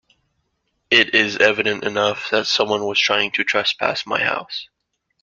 It is evident enough that someone was trying to trespass my house.